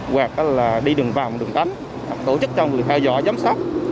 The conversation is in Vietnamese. hoặc là đi đường vào một đường đánh tổ chức cho người theo dõi giám sát